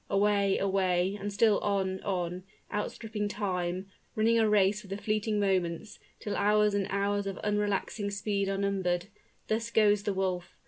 Away, away, and still on, on outstripping time running a race with the fleeting moments, till hours and hours of unrelaxing speed are numbered thus goes the wolf.